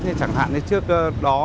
như chẳng hạn trước đó